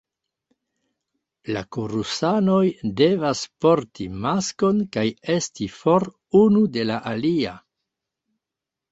La korusanoj devas porti maskon kaj esti for unu de la alia.